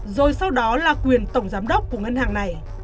rồi sau đó là quyền tổng giám đốc của ngân hàng này